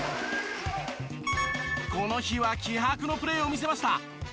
この日は気迫のプレーを見せました。